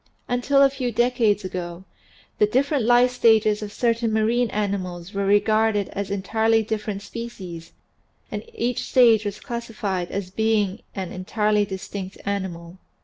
Until a few decades ago the different life stages of certain marine animals were regarded as entirely differ ent species and each stage was. classified as being an en tirely distinct animal.